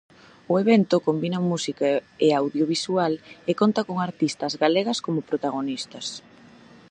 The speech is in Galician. O evento combina música e audiovisual e conta con artistas galegas como protagonistas.